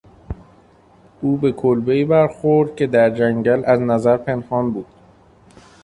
او به کلبهای برخورد که در جنگل از نظر پنهان بود.